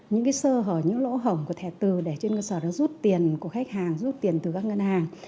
những sơ hở những lỗ hổng của thẻ từ để trên cơ sở đó rút tiền của khách hàng rút tiền từ các ngân hàng